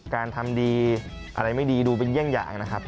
การทำดีอะไรไม่ดีดูเป็นเยี่ยงอย่างนะครับ